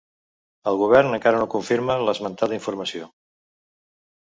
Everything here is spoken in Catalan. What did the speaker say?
El govern encara no confirma l'esmentada informació.